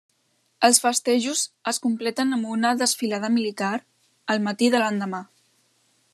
Els festejos es completen amb una desfilada militar el matí de l'endemà.